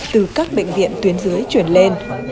từ các bệnh viện tuyến dưới chuyển lên